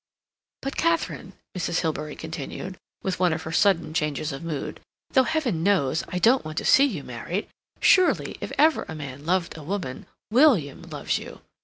"But, Katharine," Mrs. Hilbery continued, with one of her sudden changes of mood, "though, Heaven knows, I don't want to see you married, surely if ever a man loved a woman, William loves you.